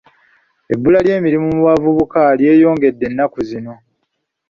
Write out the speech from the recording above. Ebbula ly'emirimu mu bavubuka lyeyongedde ennaku zino.